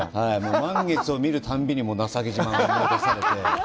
満月を見るたびに「情け嶋」が思い出されて。